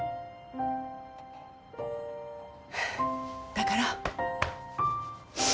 だから。